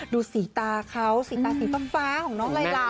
ดูสีตาเขาสีตาสีฟ้าของน้องลายลา